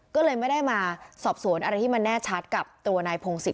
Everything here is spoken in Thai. ก็เลยไม่ได้มาสอบสวน